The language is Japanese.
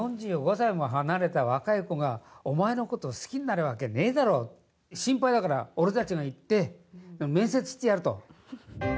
４５歳も離れた若い子がお前のことを好きになるわけねえだろ心配だから俺たちが行って面接してやると。